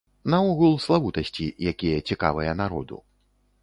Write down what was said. Наогул славутасці, якія цікавыя народу.